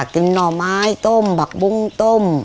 กินน่อท์ไม้ต้มบักบุ้งต้ม